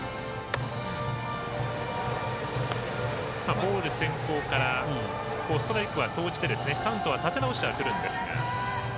ボール先行からストライクは投じてカウントを立て直してはいるんですが。